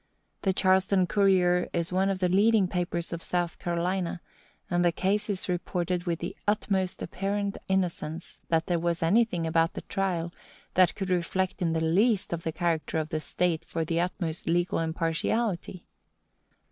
The Charleston Courier is one of the leading papers of South Carolina, and the case is reported with the utmost apparent innocence that there was anything about the trial that could reflect in the least on the character of the state for the utmost legal impartiality.